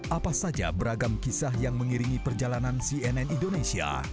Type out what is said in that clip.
apa saja beragam kisah yang mengiringi perjalanan cnn indonesia